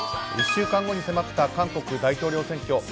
１週間後に迫った韓国大統領選挙。